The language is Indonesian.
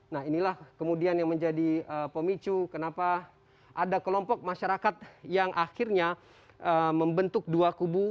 nah inilah kemudian yang menjadi pemicu kenapa ada kelompok masyarakat yang akhirnya membentuk dua kubu